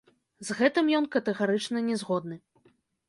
З гэтым ён катэгарычна не згодны.